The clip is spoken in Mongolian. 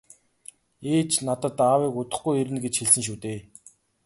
- Ээж надад аавыг удахгүй ирнэ гэж хэлсэн шүү дээ.